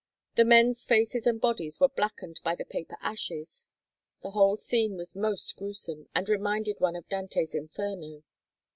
The men's faces and bodies were blackened by the paper ashes. The whole scene was most gruesome and reminded one of Dante's "Inferno."